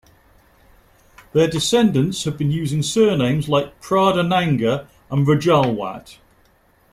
Their descendants have been using surnames like Pradhananga and Rajalwat.